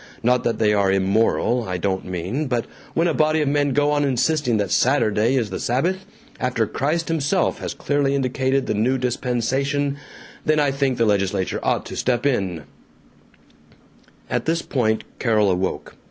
Not that they are immoral, I don't mean, but when a body of men go on insisting that Saturday is the Sabbath, after Christ himself has clearly indicated the new dispensation, then I think the legislature ought to step in " At this point Carol awoke.